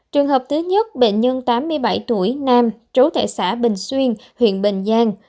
trường hợp thứ nhất bệnh nhân tám mươi bảy tuổi nam trú tại xã bình xuyên huyện bình giang